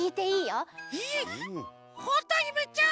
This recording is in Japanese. えっほんとゆめちゃん！？